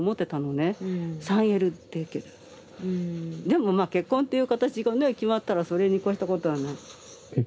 でもまあ結婚っていう形がね決まったらそれに越したことはない。